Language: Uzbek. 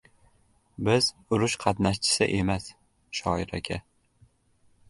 — Biz urush qatnashchisi emas, shoir aka.